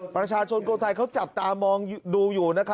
ประชาชนโครงไทยเขาจับตามองดูอยู่นะครับ